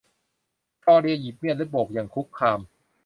คลอเดียหยิบมีดและโบกอย่างคุกคาม